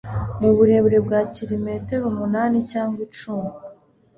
mu burebure bwa kilometero umunani cyangwa icumi